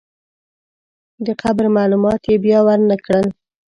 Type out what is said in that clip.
د قبر معلومات یې بیا ورنکړل.